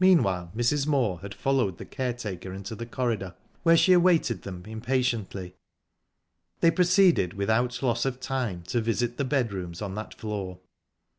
Meanwhile Mrs. Moor had followed the caretaker into the corridor, where she awaited them impatiently. They proceeded without loss of time to visit the bedrooms on that floor.